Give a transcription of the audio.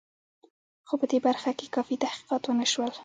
خو په دې برخه کې کافي تحقیقات ونه شول.